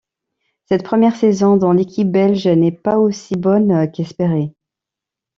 Cette première saison dans l'équipe belge n'est pas aussi bonne qu'espéré.